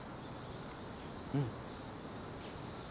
うん。